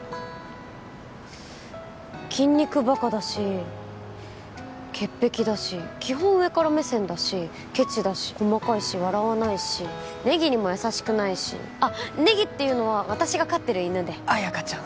筋肉バカだし潔癖だし基本上から目線だしケチだし細かいし笑わないしネギにも優しくないしあっネギっていうのは私が飼ってる犬で綾華ちゃん